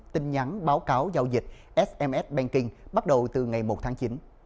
tin nhắn báo cáo giao dịch sms banking bắt đầu từ ngày một tháng chín